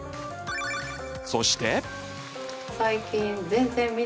そして。